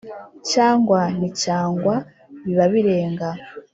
cyangwa ni cyangwa bi ba birenga.